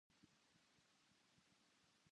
読みかけの本のしおりが、いつの間にか落ちていた。